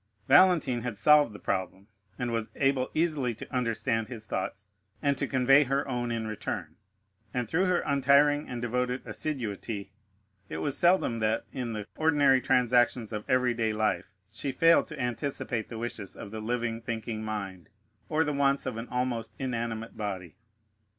Valentine had solved the problem, and was able easily to understand his thoughts, and to convey her own in return, and, through her untiring and devoted assiduity, it was seldom that, in the ordinary transactions of every day life, she failed to anticipate the wishes of the living, thinking mind, or the wants of the almost inanimate body.